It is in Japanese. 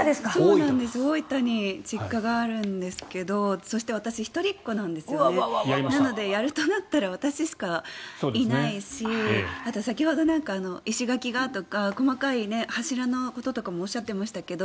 大分に実家があるんですけどそして私、一人っ子なんですよねなので、やるとなったら私しかいないしあと、先ほど石垣がとか細かい柱のこととかもおっしゃってましたけど